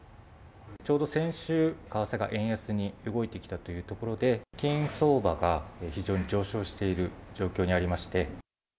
ちょうど先週、為替が円安に動いてきたというところで、金相場が非常に上昇している状況にありまして。